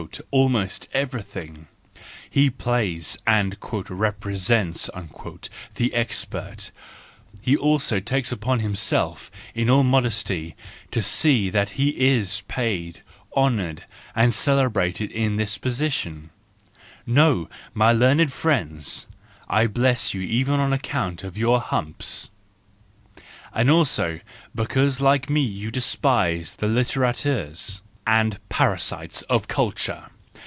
—TR, WE FEARLESS ONES 327 almost everything: he plays and " represents " the expert, he also takes it upon himself in all modesty to see that he is paid, honoured and celebrated in this position.—No, my learned friends! I bless you even on account of your humps! And also because like me you despise the litterateurs and parasites of culture!